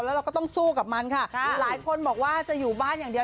แล้วเราก็ต้องสู้กับมันค่ะหลายคนบอกว่าจะอยู่บ้านอย่างเดียว